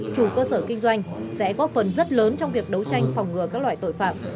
chủ cơ sở kinh doanh sẽ góp phần rất lớn trong việc đấu tranh phòng ngừa các loại tội phạm